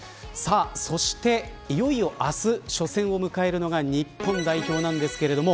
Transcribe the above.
そして、いよいよ明日初戦を迎えるのが日本代表なんですけれども。